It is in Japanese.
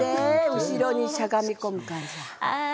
後ろにしゃがみ込む。